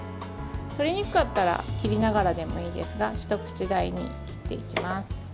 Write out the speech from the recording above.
取りにくかったら切りながらでもいいですが一口大に切っていきます。